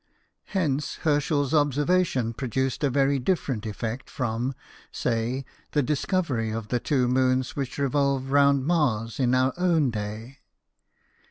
Hence Herschel's observation produced a very different effect from, say, the discovery of the two moons which revolve round Mars, in ou: own day.